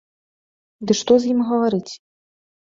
Ды што з ім гаварыць.